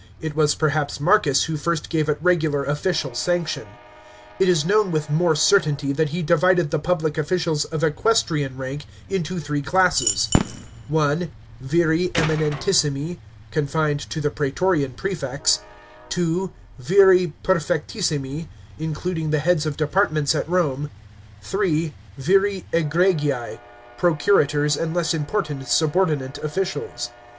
It was perhaps Marcus who first gave it regular official sanction. It is known with more certainty that he divided the public officials of equestrian rank into three classes: (I) viri eminent issimi, confined to the prsetorian prefects ; (2) viri perfec tissimi, including the heads of departments at Rome ; (3) viri egregii, procurators and less important subordinate officials.!